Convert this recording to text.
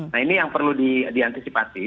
nah ini yang perlu diantisipasi